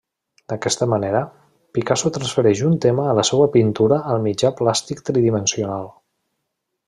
D'aquesta manera, Picasso transfereix un tema de la seua pintura al mitjà plàstic tridimensional.